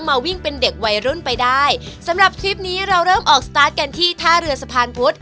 มาวิ่งเป็นเด็กวัยรุ่นไปได้สำหรับคลิปนี้เราเริ่มออกสตาร์ทกันที่ท่าเรือสะพานพุธ